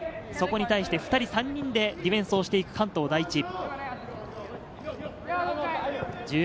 そこに対して２人、３人でディフェンスをしていく関東第一。